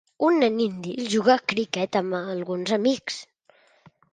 Un nen indi juga a criquet amb alguns amics.